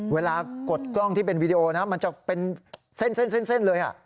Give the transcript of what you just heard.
กดกล้องที่เป็นวีดีโอนะมันจะเป็นเส้นเลย